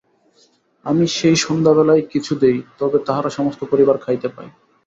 আমি সেই সন্ধ্যাবেলায় কিছু দিই, তবে তাহারা সমস্ত পরিবার খাইতে পায়।